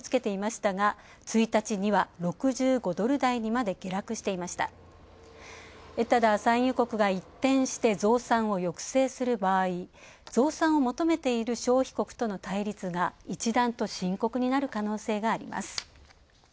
ただ、産油国が一転して増産を抑制する場合増産を求めている消費国との対立が一段と深刻になる可能性があります。